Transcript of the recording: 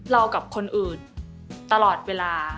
เรากับคนอื่นตลอดเวลา